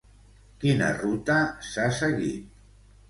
Quina ruta s'ha seguit?